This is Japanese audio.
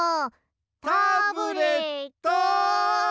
タブレットン！